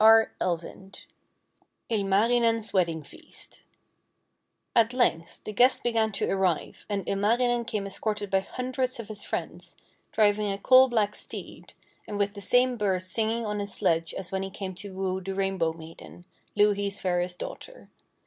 ILMARINEN'S WEDDING FEAST At length the guests began to arrive, and Ilmarinen came escorted by hundreds of his friends, driving a coal black steed, and with the same birds singing on his sledge as when he came to woo the Rainbow maiden, Louhi's fairest daughter.